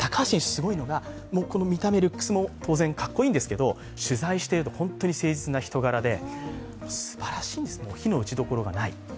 すごいのが、見た目、ルックスも当然かっこいいんですけど、取材していると本当に誠実な人柄ですばらしいです、非の打ち所がない。